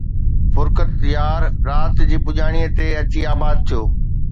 فرقت يار رات جي پڄاڻيءَ تي اچي آباد ٿيو